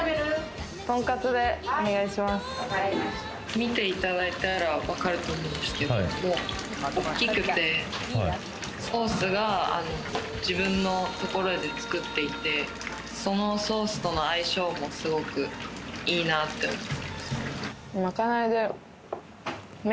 見ていただいたらわかると思うんですけど、大きくて、ソースが自分のところで作っていて、そのソースとの相性もすごくいいなって思う。